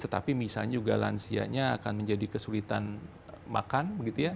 tetapi misalnya juga lansianya akan menjadi kesulitan makan